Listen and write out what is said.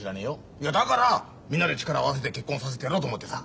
いやだからみんなで力を合わせて結婚させてやろうと思ってさ。